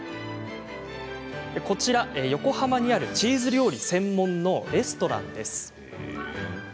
こちら、横浜にあるチーズ料理専門のレストランです。